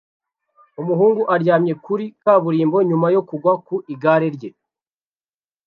Umuhungu aryamye kuri kaburimbo nyuma yo kugwa ku igare rye